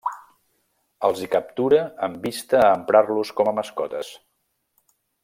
Els hi captura amb vista a emprar-los com a mascotes.